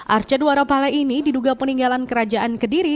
arca dwarapala ini diduga peninggalan kerajaan kediri